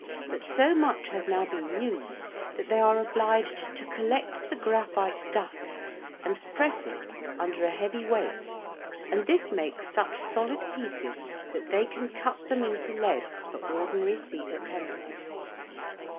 but so much has now been used that they are obliged to collect the graphite dust, and press it under a heavy weight, and this makes such solid pieces that they can cut them into leads for ordinary cedar pencils.